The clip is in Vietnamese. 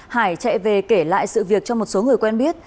hải chạy về kể lại sự việc cho một số người quen biết